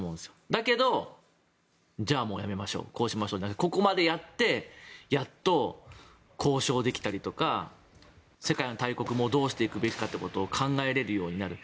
だけど、じゃあもうやめましょうじゃなくてここまでやってやっと交渉できたりとか世界の大国もどうしていくべきかを考えられるようになる。